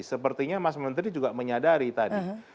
sepertinya mas menteri juga menyadari tadi